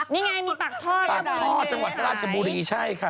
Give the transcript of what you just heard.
นี่ไงมีปากทอดกันแล้วปากทอดจังหวัดธรรมดีใช่ค่ะ